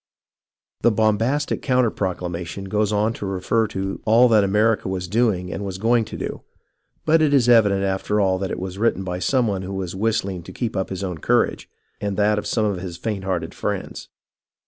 The bombastic counter proclamation goes on to refer to all that America was doing and was going to do, but it is evident after all that it was written by some one who was whistling to keep up his own courage and that of some of his faint hearted friends.